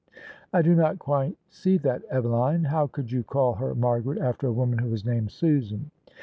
" I do not quite see that, Eveline. How could you call her Margaret after a woman who was named Susan?"